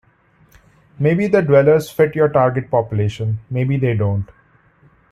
Maybe the dwellers fit your target population, maybe they don't.